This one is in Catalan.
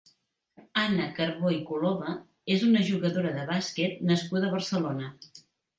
Anna Carbó i Coloma és una jugadora de bàsquet nascuda a Barcelona.